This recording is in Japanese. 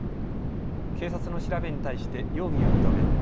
警察の調べに対して容疑を認め